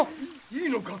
いいのか？